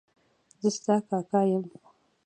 زه ستا کاکا یم.